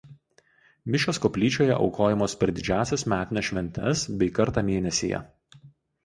Mišios koplyčioje aukojamos per didžiąsias metines šventes bei kartą mėnesyje.